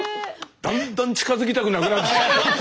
だんだん近づきたくなくなってきた。